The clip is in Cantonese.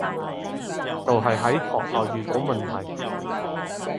就係喺學校遇到問題